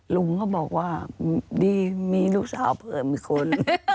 ลุงเขาบอกว่าดีมีลูกสาวเพิ่มอีกคน